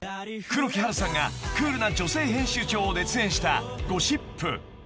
［黒木華さんがクールな女性編集長を熱演した『ゴシップ』］